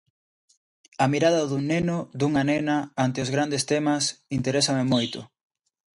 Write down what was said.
A mirada dun neno, dunha nena, antes os grandes temas, interésame moito.